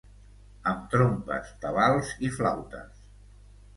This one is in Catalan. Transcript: Amb trompes, tabals i flautes.